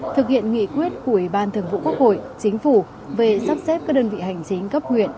thực hiện nghị quyết của ủy ban thường vụ quốc hội chính phủ về sắp xếp các đơn vị hành chính cấp huyện